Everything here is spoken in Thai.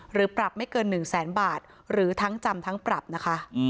หรือปรับไม่เกิน๑แสนบาทหรือทั้งจำทั้งปรับนะคะ